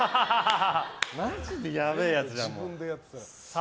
マジでやべえやつじゃん。